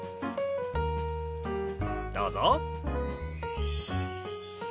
どうぞ。